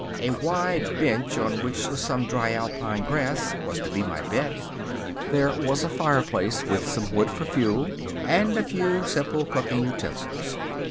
A wide bench, on which was some dry Alpine grass, was to be my bed. There was a fireplace, with some wood for fuel, and a few simple cooking utensils.